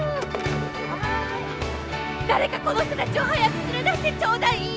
誰かこの人たちを早く連れ出してちょうだい！